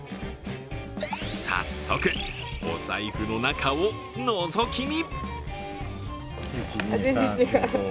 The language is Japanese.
早速お財布の中をのぞき見。